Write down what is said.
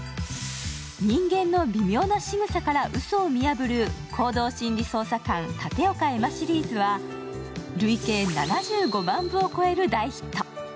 人間の微妙なしぐさから嘘を見破る行動心理捜査官・楯岡絵麻シリーズは累計７５万部を超える大ヒット。